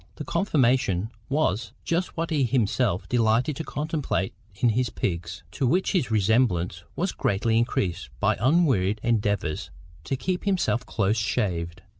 The conformation was just what he himself delighted to contemplate in his pigs, to which his resemblance was greatly increased by unwearied endeavours to keep himself close shaved.